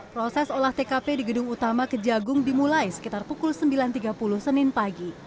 proses olah tkp di gedung utama kejagung dimulai sekitar pukul sembilan tiga puluh senin pagi